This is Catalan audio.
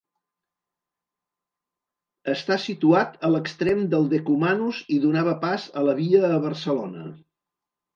Està situat a l'extrem del decumanus i donava pas a la via a Barcelona.